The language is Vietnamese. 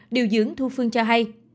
điều dưỡng thu phương cho hay